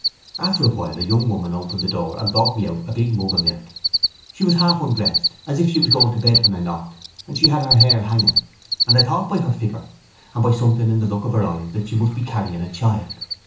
After a while a young woman opened the door and brought me out a big mug of milk. She was half undressed as if she was going to bed when I knocked and she had her hair hanging and I thought by her figure and by something in the look of her eyes that she must be carrying a child.